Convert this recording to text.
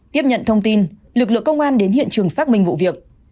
tiếp nhận thông tin lực lượng công an đến hiện trường xác minh vụ việc